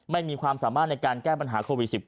ไม่มีความสามารถในการแก้ปัญหาโควิด๑๙